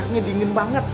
airnya dingin banget